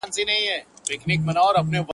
ما لیده چي له شاعره زوړ بابا پوښتنه وکړه،